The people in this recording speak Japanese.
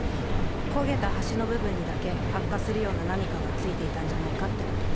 焦げた端の部分にだけ発火するような何かが付いていたんじゃないかってこと。